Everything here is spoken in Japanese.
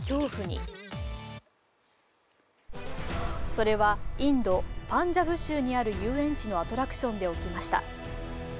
それはインド・パンジャブ州にある遊園地のアトラクションで起きました。